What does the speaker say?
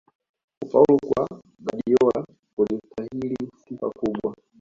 kufaulu kwa guardiola kulistahili sifa kubwa